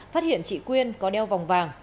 phát hiện chị quyên có đeo vòng vàng